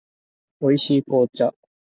美味しい紅茶